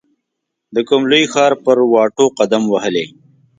د کوم لوی ښار پر واټو قدم وهلی